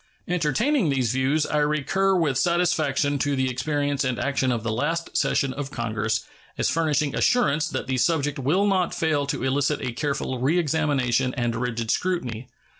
Entertaining these views, I recur with satisfaction to the experience and action of the last session of Congress as furnishing assurance that the subject will not fail to elicit a careful reexamination and rigid scrutiny.